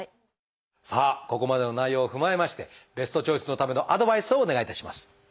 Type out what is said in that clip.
さあここまでの内容を踏まえましてベストチョイスのためのアドバイスをお願いいたします。